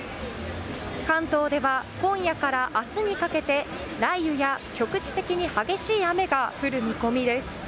関東では今夜から明日にかけて雷雨や局地的に激しい雨が降る予定です。